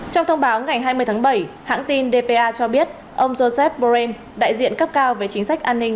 trong thông báo ngày hai mươi tháng bảy hãng tin dpa cho biết ông joseph boren đại diện cấp cao về chính sách an ninh